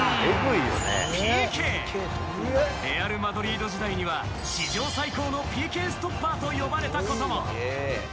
レアル・マドリード時代には史上最高のＰＫストッパーと呼ばれたことも。